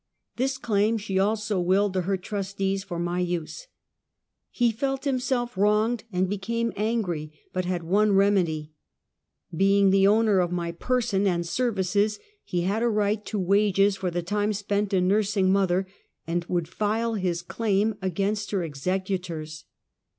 This claim she also willed to her trustees for my use. He felt himself wronged and became angry, but had one remedy. Being the owner of my person and services, he had a right to wages for the time spent in nursing mother, and would file his claim against her executors.